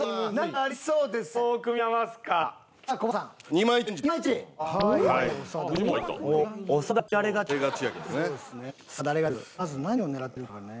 ありそうですね。